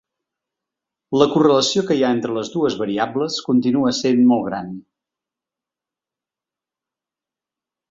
La correlació que hi ha entre les dues variables continua essent molt gran.